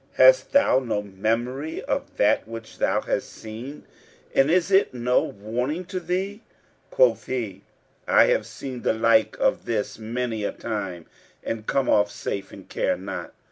hast thou no memory of that which thou hast seen and is it no warning to thee?' Quoth he, 'I have seen the like of this many a time and come off safe and care not.'